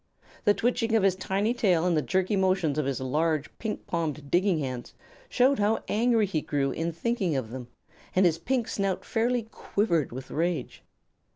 The twitching of his tiny tail and the jerky motions of his large, pink palmed digging hands, showed how angry he grew in thinking of them, and his pink snout fairly quivered with rage.